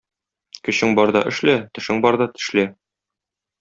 Көчең барда эшлә, тешең барда тешлә.